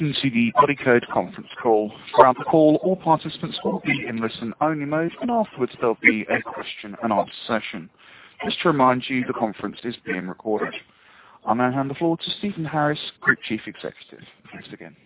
Welcome to the Bodycote conference call. Throughout the call, all participants will be in listen-only mode, and afterwards, there'll be a question-and-answer session. Just to remind you, the conference is being recorded. I'll now hand the floor to Stephen Harris, Group Chief Executive. Thanks again.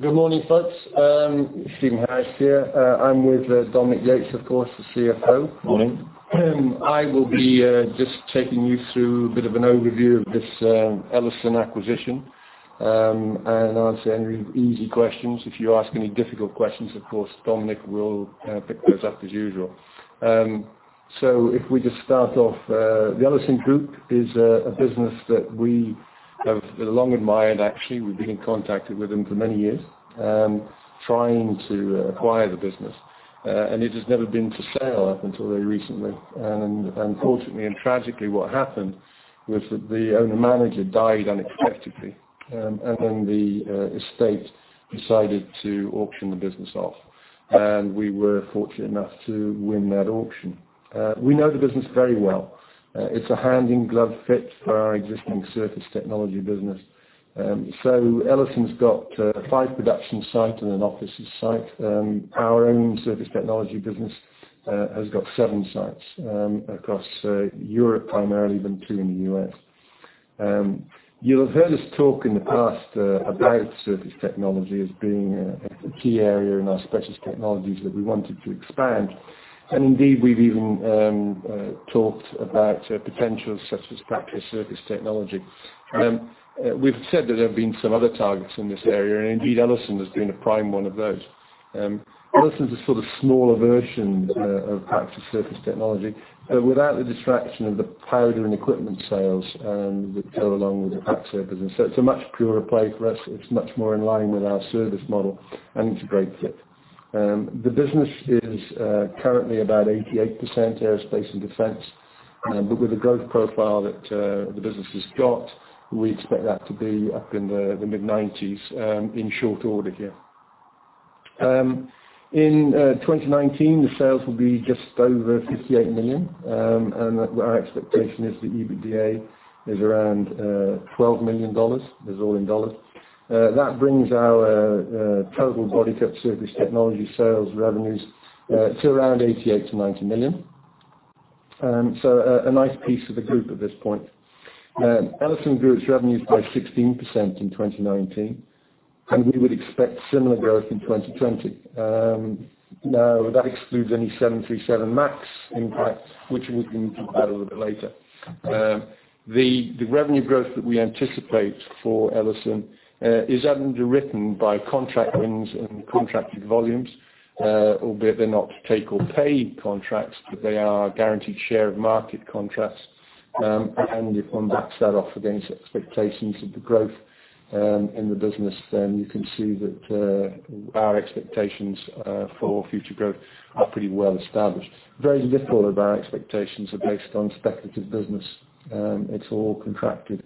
Good morning, folks. Stephen Harris here. I'm with Dominique Yates, of course, the CFO. Morning. I will be just taking you through a bit of an overview of this Ellison acquisition, and answer any easy questions. If you ask any difficult questions, of course, Dominique will pick those up as usual. So if we just start off, the Ellison Group is a business that we have long admired, actually. We've been in contact with them for many years, trying to acquire the business. And it has never been for sale up until very recently. And unfortunately, and tragically, what happened was that the owner-manager died unexpectedly, and then the estate decided to auction the business off, and we were fortunate enough to win that auction. We know the business very well. It's a hand-in-glove fit for our existing surface technology business. Ellison's got five production site and an offices site. Our own surface technology business has got seven sites across Europe, primarily, then two in the U.S. You'll have heard us talk in the past about surface technology as being a key area in our specialist technologies that we wanted to expand. And indeed, we've even talked about potential surface practice, surface technology. We've said that there have been some other targets in this area, and indeed, Ellison has been a prime one of those. Ellison's a sort of smaller version of Praxair Surface Technologies without the distraction of the powder and equipment sales that go along with the Praxair. And so it's a much purer play for us. It's much more in line with our service model, and it's a great fit. The business is currently about 88% aerospace and defense. But with the growth profile that the business has got, we expect that to be up in the mid-90s in short order here. In 2019, the sales will be just over $58 million. And our expectation is that EBITDA is around $12 million. This is all in dollars. That brings our total Bodycote surface technology sales revenues to around $88-$90 million. So a nice piece of the group at this point. Ellison grew its revenues by 16% in 2019, and we would expect similar growth in 2020. Now, that excludes any 737 MAX impact, which we can talk about a little bit later. The revenue growth that we anticipate for Ellison is underwritten by contract wins and contracted volumes, albeit they're not take-or-pay contracts, but they are guaranteed share of market contracts. And if one backs that off against expectations of the growth in the business, then you can see that our expectations for future growth are pretty well established. Very little of our expectations are based on speculative business; it's all contracted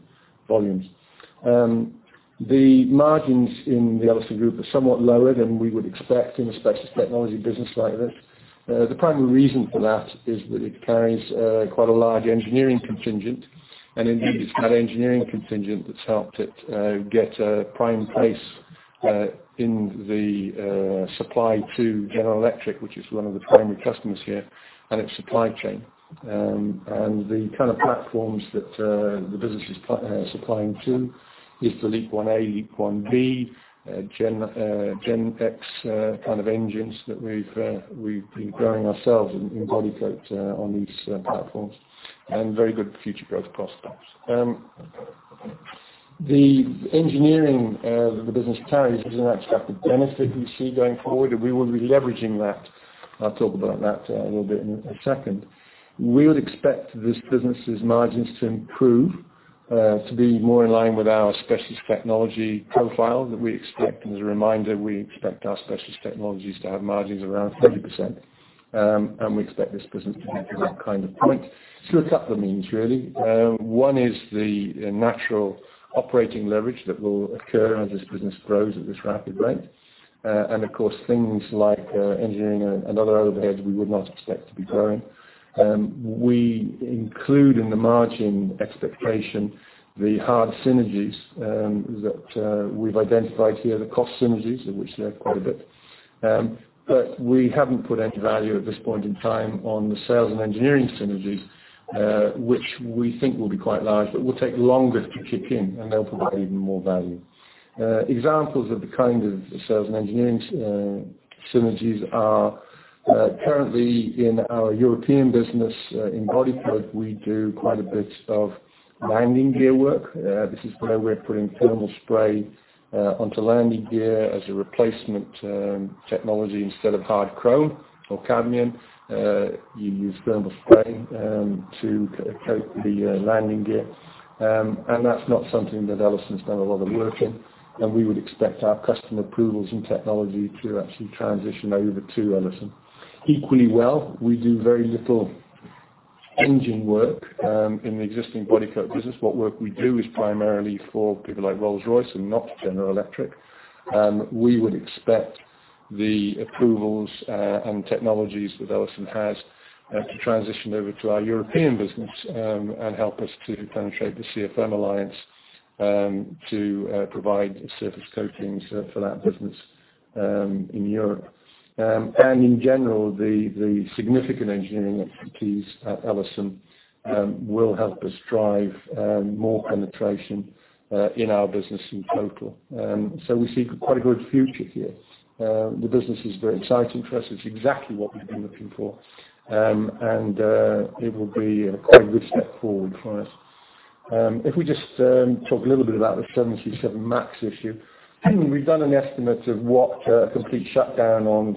volumes. The margins in the Ellison Group are somewhat lower than we would expect in a specialist technology business like this. The primary reason for that is that it carries quite a large engineering contingent, and indeed, it's that engineering contingent that's helped it get a prime place in the supply to General Electric, which is one of the primary customers here, and its supply chain. And the kind of platforms that the business is supplying to is the LEAP-1A, LEAP-1B, GEnx kind of engines that we've been growing ourselves in Bodycote on these platforms, and very good future growth prospects. The engineering the business carries is an expected benefit we see going forward, and we will be leveraging that. I'll talk about that a little bit in a second. We would expect this business' margins to improve to be more in line with our specialist technology profile that we expect. As a reminder, we expect our specialist technologies to have margins around 30%, and we expect this business to get to that kind of point. There's a couple of means, really. One is the natural operating leverage that will occur as this business grows at this rapid rate. And of course, things like engineering and other overheads, we would not expect to be growing. We include in the margin expectation the hard synergies that we've identified here, the cost synergies, of which there are quite a bit. But we haven't put any value at this point in time on the sales and engineering synergies, which we think will be quite large, but will take longer to kick in, and they'll provide even more value. Examples of the kind of sales and engineering synergies are currently in our European business. In Bodycote, we do quite a bit of landing gear work. This is where we're putting thermal spray onto landing gear as a replacement technology instead of hard chrome or cadmium. You use thermal spray to coat the landing gear. And that's not something that Ellison's done a lot of work in, and we would expect our customer approvals and technology to actually transition over to Ellison. Equally well, we do very little engine work in the existing Bodycote business. What work we do is primarily for people like Rolls-Royce and not General Electric. We would expect the approvals and technologies that Ellison has to transition over to our European business and help us to penetrate the CFM Alliance to provide surface coatings for that business in Europe. And in general, the significant engineering expertise at Ellison will help us drive more penetration in our business in total. So we see quite a good future here. The business is very exciting for us. It's exactly what we've been looking for. And it will be a quite good step forward for us. If we just talk a little bit about the 737 MAX issue. We've done an estimate of what a complete shutdown on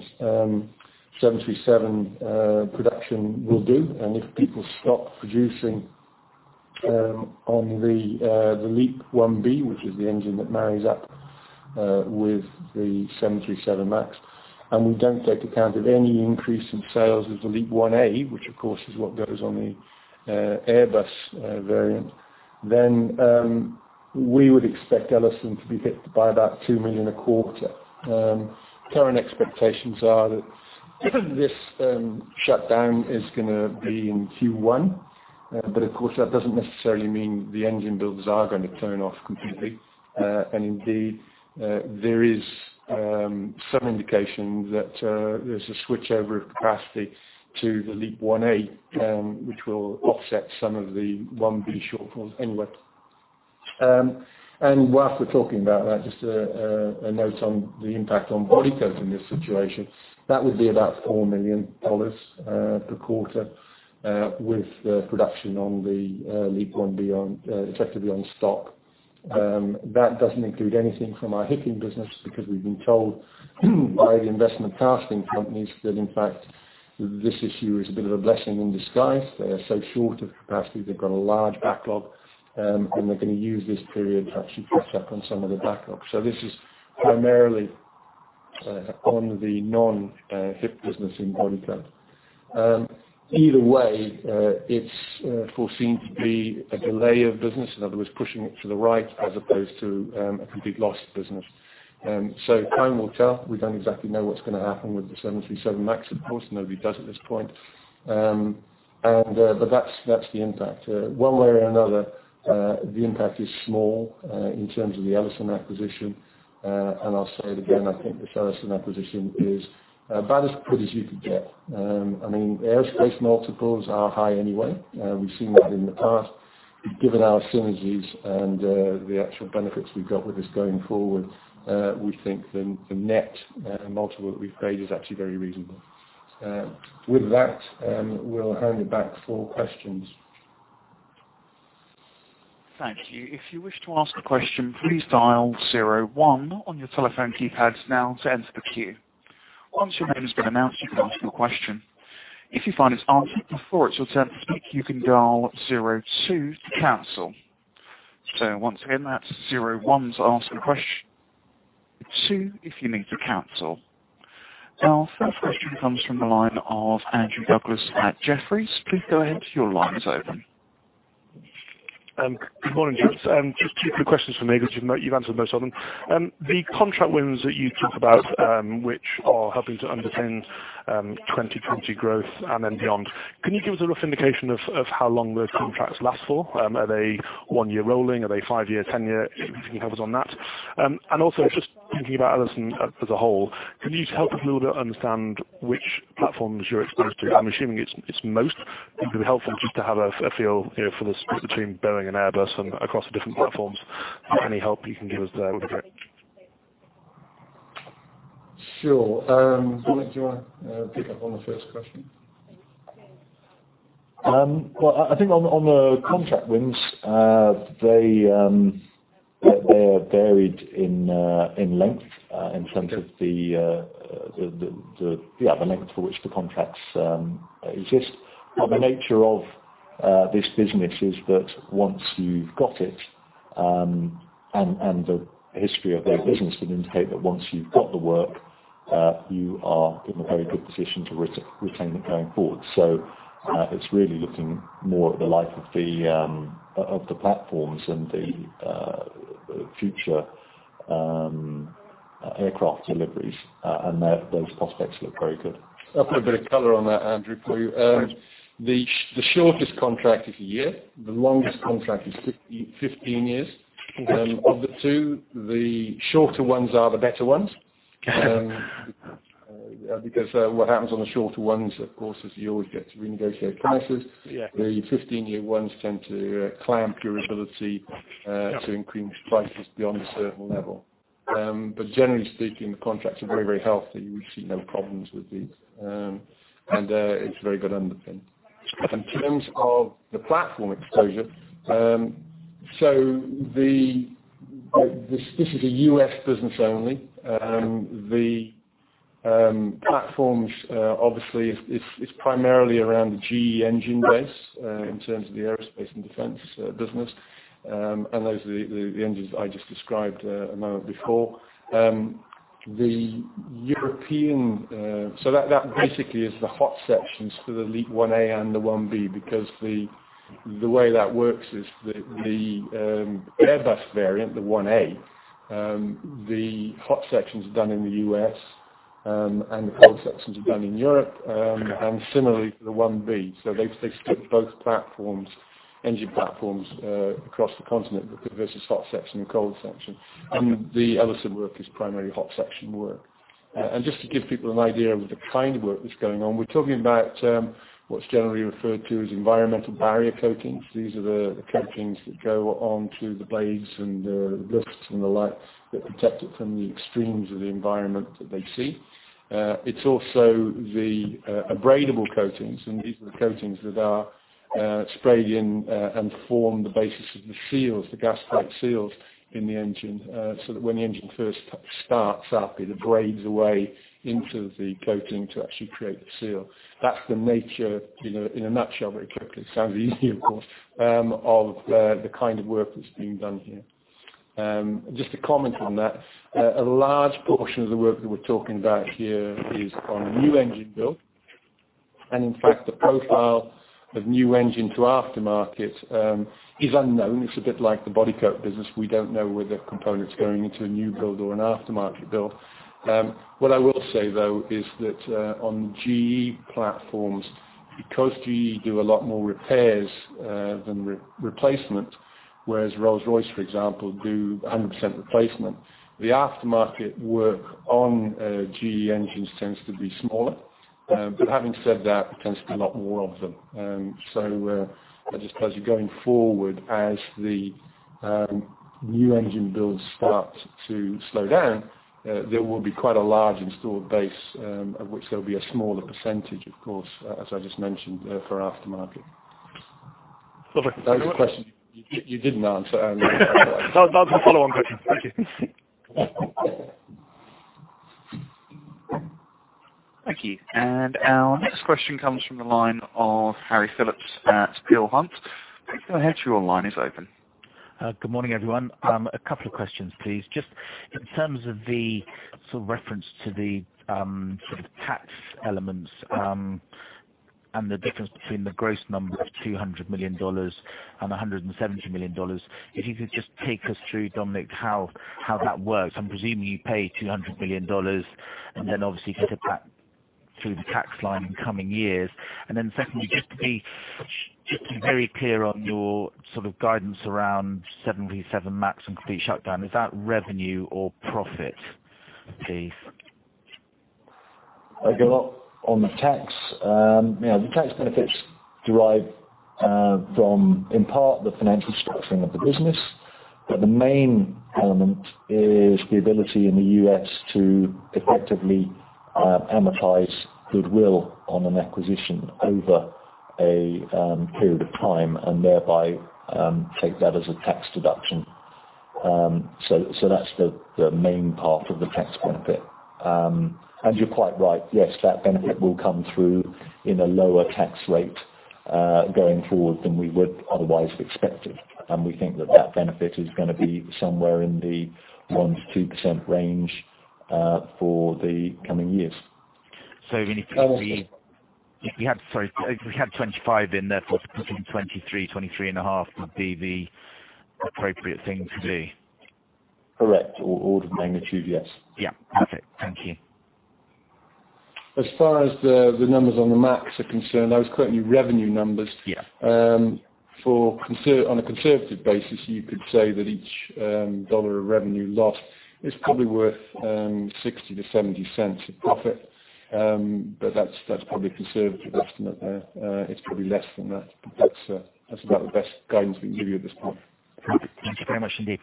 737 production will do, and if people stop producing on the LEAP-1B, which is the engine that marries up with the 737 MAX, and we don't take account of any increase in sales of the LEAP-1A, which, of course, is what goes on the Airbus variant, then we would expect Ellison to be hit by about $2 million a quarter. Current expectations are that this shutdown is gonna be in Q1. But of course, that doesn't necessarily mean the engine builders are going to turn off completely. And indeed, there is some indication that there's a switchover of capacity to the LEAP-1A, which will offset some of the 1B shortfalls anyway. And while we're talking about that, just a note on the impact on Bodycote in this situation, that would be about $4 million per quarter with the production on the LEAP-1B effectively on stock. That doesn't include anything from our HIP business, because we've been told by the investment casting companies that, in fact, this issue is a bit of a blessing in disguise. They are so short of capacity, they've got a large backlog, and they're gonna use this period to actually catch up on some of the backlogs. So this is primarily on the non-HIP business in Bodycote. Either way, it's foreseen to be a delay of business, in other words, pushing it to the right as opposed to a complete loss of business. So time will tell. We don't exactly know what's gonna happen with the 737 MAX, of course. Nobody does at this point. But that's the impact. One way or another, the impact is small in terms of the Ellison acquisition. And I'll say it again, I think this Ellison acquisition is about as pretty as you could get. I mean, aerospace multiples are high anyway. We've seen that in the past. Given our synergies and the actual benefits we've got with this going forward, we think the net multiple that we've created is actually very reasonable. With that, we'll hand it back for questions. Thank you. If you wish to ask a question, please dial zero, one on your telephone keypads now to enter the queue. Once your name has been announced, you can ask your question. If you find it's answered before it's your turn, you can dial zero, two to cancel. So once again, that's zero, one to ask a question, two if you need to cancel. Our first question comes from the line of Andrew Douglas at Jefferies. Please go ahead, your line is open. Good morning, gents. Just two quick questions from me, because you've, you've answered most of them. The contract wins that you talk about, which are helping to underpin, 2020 growth and then beyond. Can you give us a rough indication of, of how long those contracts last for? Are they one-year rolling? Are they five-year, 10-year? If you can help us on that. And also, just thinking about Ellison as a whole, can you help us a little bit understand which platforms you're exposed to? I'm assuming it's, it's most, it would be helpful just to have a, a feel, you know, for the split between Boeing and Airbus and across the different platforms. Any help you can give us there would be great. Sure. Do you want to pick up on the first question? Well, I think on the contract wins, they are varied in length. Okay. In terms of the length to which the contracts exist. But the nature of this business is that once you've got it, and the history of their business would indicate that once you've got the work, you are in a very good position to retain it going forward. So, it's really looking more at the life of the platforms and the future aircraft deliveries, and that those prospects look very good. I'll put a bit of color on that, Andrew, for you. Thanks. The shortest contract is a year, the longest contract is 15 years. Okay. Of the two, the shorter ones are the better ones. Because, what happens on the shorter ones, of course, is you always get to renegotiate prices. Yeah. The 15-year ones tend to clamp your ability. Yeah to increase prices beyond a certain level. But generally speaking, the contracts are very, very healthy. We see no problems with these. And it's very good understanding. In terms of the platform exposure, so this is a U.S. business only. The platforms, obviously, it's primarily around the GE engine base, in terms of the aerospace and defense business. And those are the engines I just described a moment before. The European, so that basically is the hot sections for the LEAP-1A and the 1B, because the way that works is the Airbus variant, the 1A, the hot section is done in the U.S., and the cold sections are done in Europe, and similarly, for the 1B. So they split both platforms, engine platforms, across the continent, because versus hot section and cold section, and the Ellison work is primarily hot section work. Just to give people an idea of the kind of work that's going on, we're talking about what's generally referred to as environmental barrier coatings. These are the, the coatings that go onto the blades and the discs and the likes, that protect it from the extremes of the environment that they see. It's also the, abradable coatings, and these are the coatings that are, sprayed in, and form the basis of the seals, the gas tight seals in the engine, so that when the engine first starts up, it abrades away into the coating to actually create the seal. That's the nature, you know, in a nutshell, very quickly, it sounds easy, of course, of the kind of work that's being done here. Just to comment on that, a large portion of the work that we're talking about here is on a new engine build. In fact, the profile of new engine to aftermarket is unknown. It's a bit like the Bodycote business. We don't know where the component's going into a new build or an aftermarket build. What I will say, though, is that on GE platforms, because GE do a lot more repairs than replacement, whereas Rolls-Royce, for example, do 100% replacement, the aftermarket work on GE engines tends to be smaller. But having said that, there tends to be a lot more of them. So, I just suppose you're going forward as the new engine builds start to slow down, there will be quite a large installed base, at which there'll be a smaller percentage, of course, as I just mentioned, for aftermarket. Perfect. That was the question you didn't answer. That's a follow-on question. Thank you. Thank you. Our next question comes from the line of Harry Philips at Peel Hunt. Go ahead, your line is open. Good morning, everyone. A couple of questions, please. Just in terms of the sort of reference to the sort of tax elements, and the difference between the gross number of $200 million and $170 million, if you could just take us through, Dominique, how that works. I'm presuming you pay $200 million, and then obviously take it back through the tax line in coming years. And then secondly, just to be, just to be very clear on your sort of guidance around 737 MAX and complete shutdown, is that revenue or profit, please? I go up on the tax. Yeah, the tax benefits derive from, in part, the financial structuring of the business, but the main element is the ability in the U.S. to effectively amortize goodwill on an acquisition over a period of time, and thereby take that as a tax deduction. So, that's the main part of the tax benefit. And you're quite right, yes, that benefit will come through in a lower tax rate going forward than we would otherwise have expected. And we think that that benefit is gonna be somewhere in the 1%-2% range for the coming years. So when you if we had, sorry, if we had 25 in there, for putting 23, 23.5, would be the appropriate thing to do? Correct. Or order of magnitude, yes. Yeah. Perfect. Thank you. As far as the numbers on the MAX are concerned, I was quoting you revenue numbers. Yeah. On a conservative basis, you could say that each $1 of revenue lost is probably worth $0.60-$0.70 of profit. But that's probably a conservative estimate there. It's probably less than that, but that's about the best guidance we can give you at this point. Perfect. Thank you very much indeed.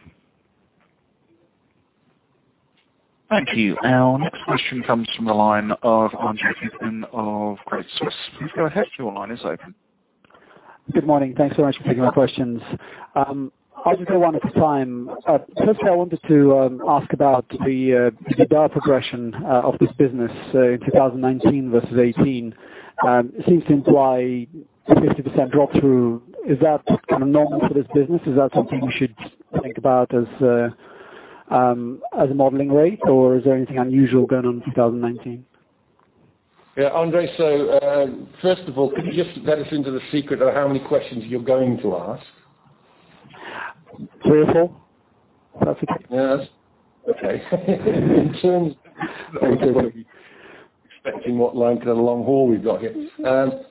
Thank you. Our next question comes from the line of Andre Kukhnin of Credit Suisse. Please go ahead. Your line is open. Good morning. Thanks so much for taking my questions. I'll just go one at a time. Firstly, I wanted to ask about the top-line progression of this business in 2019 versus 2018. It seems to imply a 50% drop-through. Is that kind of normal for this business? Is that something we should think about as a modeling rate, or is there anything unusual going on in 2019? Yeah, Andre, so, first of all, could you just let us into the secret of how many questions you're going to ask? 3 or 4? That's it. Yes. Okay. In terms- Okay. Expecting what length of the long haul we've got here.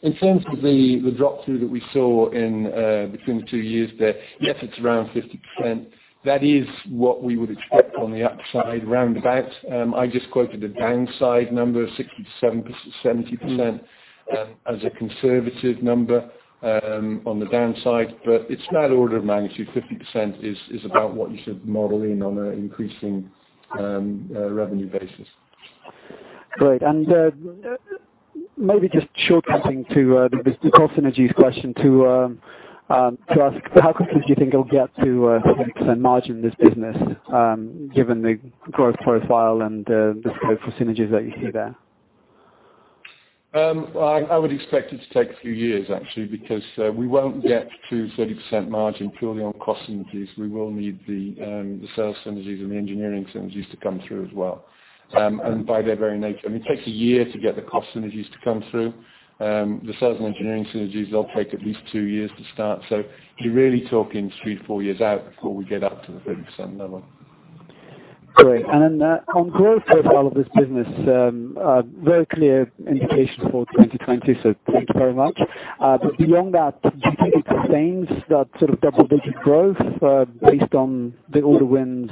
In terms of the drop-through that we saw in between the two years there, yes, it's around 50%. That is what we would expect on the upside, roundabout. I just quoted a downside number of 60%-70%, as a conservative number, on the downside, but it's that order of magnitude. 50% is about what you should model in on an increasing revenue basis. Great. And maybe just short-cutting to the cost synergies question to ask, how quickly do you think it'll get to 100% margin in this business, given the growth profile and the scope for synergies that you see there? ... I would expect it to take a few years, actually, because we won't get to 30% margin purely on cost synergies. We will need the sales synergies and the engineering synergies to come through as well. And by their very nature, I mean, it takes 1 year to get the cost synergies to come through. The sales and engineering synergies, they'll take at least 2 years to start. So you're really talking 3-4 years out before we get up to the 30% level. Great. On growth profile of this business, a very clear indication for 2020, so thank you very much. But beyond that, do you think it sustains that sort of double-digit growth, based on the order wins,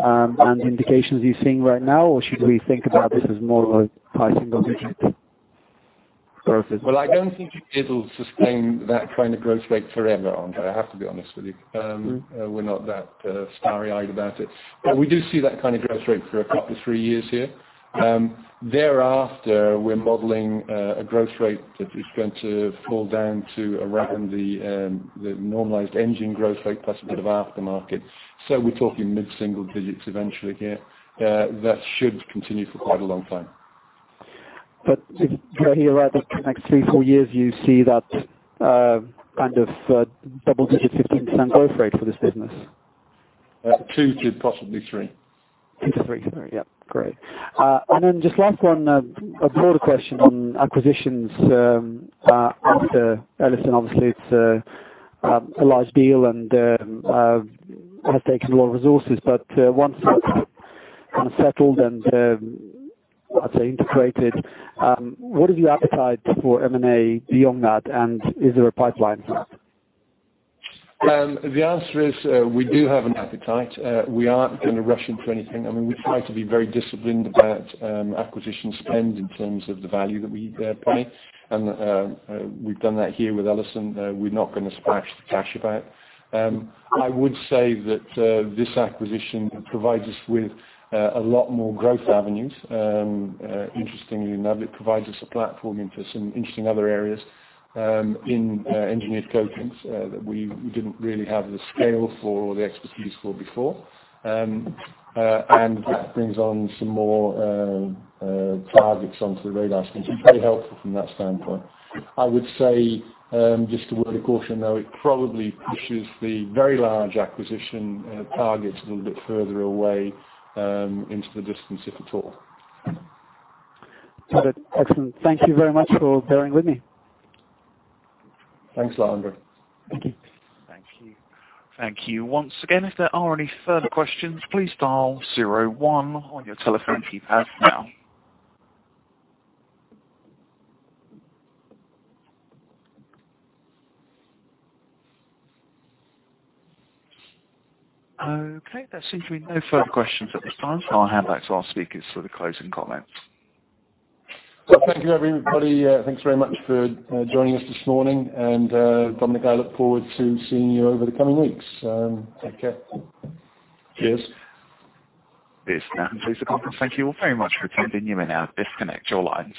and indications you're seeing right now? Or should we think about this as more of a high single digit growth? Well, I don't think it'll sustain that kind of growth rate forever, Andre, I have to be honest with you. We're not that starry-eyed about it. But we do see that kind of growth rate for a couple of three years here. Thereafter, we're modeling a growth rate that is going to fall down to around the normalized engine growth rate, plus a bit of aftermarket. So we're talking mid-single digits eventually here. That should continue for quite a long time. But if you're here over the next 3, 4 years, you see that, kind of, double-digit 15% growth rate for this business? 2 to possibly 3. 2-3. Sorry. Yeah. Great. And then just last one, a broader question on acquisitions, after Ellison, obviously, it's a large deal, and has taken a lot of resources. But once that's kind of settled and I'd say integrated, what is your appetite for M&A beyond that, and is there a pipeline for that? The answer is, we do have an appetite. We aren't going to rush into anything. I mean, we try to be very disciplined about, acquisition spend in terms of the value that we, pay. And, we've done that here with Ellison. We're not going to splash the cash about. I would say that, this acquisition provides us with, a lot more growth avenues. Interestingly enough, it provides us a platform into some interesting other areas, in, engineered coatings, that we didn't really have the scale for or the expertise for before. And that brings on some more, targets onto the radar screen, so very helpful from that standpoint. I would say, just a word of caution, though, it probably pushes the very large acquisition targets a little bit further away, into the distance, if at all. Got it. Excellent. Thank you very much for bearing with me. Thanks, Andre. Thank you. Thank you. Thank you once again. If there are any further questions, please dial 01 on your telephone keypad now. Okay, there seems to be no further questions at this time. I'll hand back to our speakers for the closing comments. Well, thank you, everybody. Thanks very much for joining us this morning. Dominique, I look forward to seeing you over the coming weeks. Take care. Cheers. Thanks. Now to close the conference. Thank you all very much for attending. You may now disconnect your lines.